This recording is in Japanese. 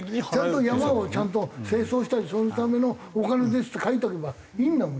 「山をちゃんと清掃したりそのためのお金です」って書いとけばいいんだもん。